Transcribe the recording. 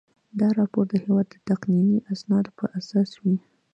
دا راپور د هیواد د تقنیني اسنادو په اساس وي.